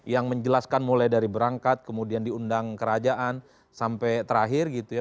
yang menjelaskan mulai dari berangkat kemudian diundang kerajaan sampai terakhir gitu ya